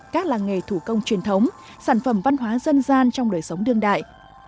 các làng nghề thủ công truyền thống sản phẩm văn hóa dân gian trong đời sống đương đại